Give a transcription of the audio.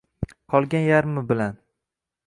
Qolgan yarmi bilan